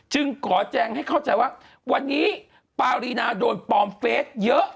ขอแจงให้เข้าใจว่าวันนี้ปารีนาโดนปลอมเฟสเยอะ